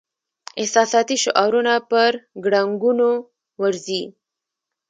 احساساتي شعارونه پر ګړنګونو ورځي.